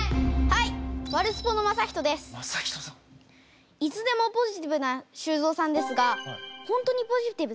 いつでもポジティブな修造さんですが本当にポジティブですか？